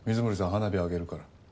花火上げるから。